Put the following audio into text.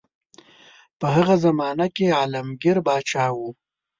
په هغه زمانه کې عالمګیر پاچا وو.